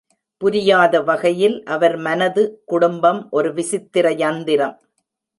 புரியாத வகையில் அவர் மனது குடும்பம் ஒரு விசித்திர யந்திரம்.